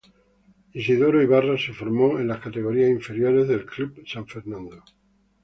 Isidoro Ibarra se formó en las categorías inferiores del Club San Fernando.